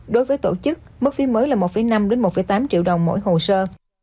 đối với tổ chức mức phí mới là một năm một tám triệu đồng mỗi hồ sơ